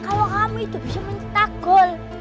kalau kami itu bisa menyetak gol